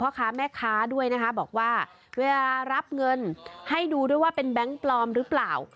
แล้วฝากเตือนถึงพ่อค้าแม่ค้าด้วยนะครับบอกว่าเวลารับเงินให้ดูด้วยว่าเป็นแบงค์ปลอมหรือเปล่า